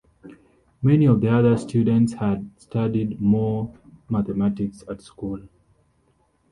Many of the other students had studied more mathematics at school.